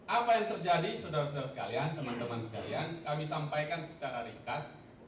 apa yang terjadi saudara saudara sekalian teman teman sekalian kami sampaikan secara ringkas